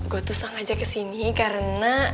gue tusang aja kesini karena